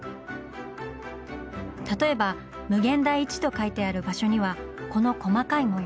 例えば「無限大１」と描いてある場所にはこの細かい模様。